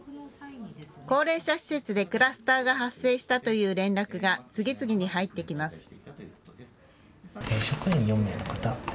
高齢者施設でクラスターが発生したという連絡が次々に入ってきます。